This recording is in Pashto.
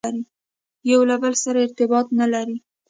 یو له بل سره ارتباط نه لري.